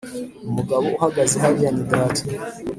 umugabo uhagaze hariya ni data.